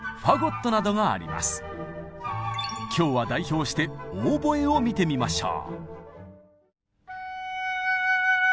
今日は代表してオーボエを見てみましょう。